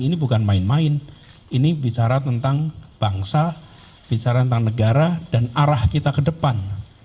ini bukan main main ini bicara tentang bangsa bicara tentang negara dan arah kita ke depan